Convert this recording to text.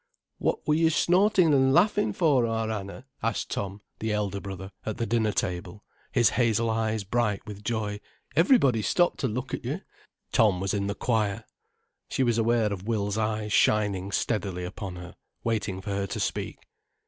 "What were you snorting and laughing for, our Anna?" asked Tom, the elder brother, at the dinner table, his hazel eyes bright with joy. "Everybody stopped to look at you." Tom was in the choir. She was aware of Will's eyes shining steadily upon her, waiting for her to speak.